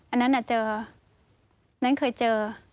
อันนั้นน่ะเจอนั้นเคยเจอ